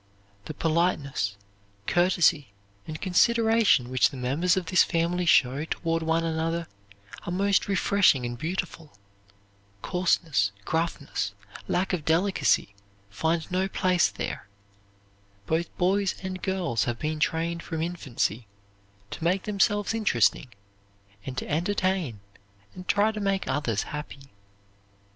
The politeness, courtesy, and consideration which the members of this family show toward one another are most refreshing and beautiful. Coarseness, gruffness, lack of delicacy find no place there. Both boys and girls have been trained from infancy to make themselves interesting, and to entertain and try to make others happy.